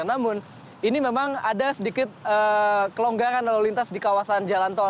namun ini memang ada sedikit kelonggaran lalu lintas di kawasan jalan tol